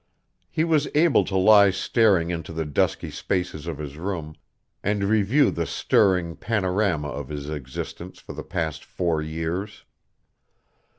He was able to lie staring into the dusky spaces of his room and review the stirring panorama of his existence for the past four years.